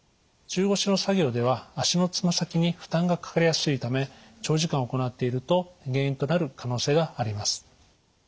中腰の作業では足のつま先に負担がかかりやすいため長時間行っていると原因となる可能性があります。